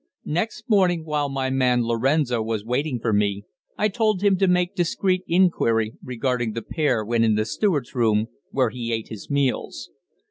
Next morning, while my man Lorenzo was waiting for me, I told him to make discreet inquiry regarding the pair when in the steward's room, where he ate his meals.